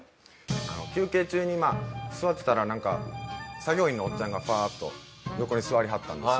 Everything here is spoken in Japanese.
休憩中にまあ座ってたらなんか作業員のおっちゃんがふぁっと横に座りはったんです。